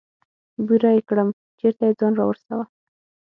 بوره يې کړم چېرته يې ځان راورسوه.